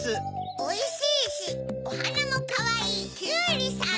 おいしいしおはなもかわいいキュウリさん。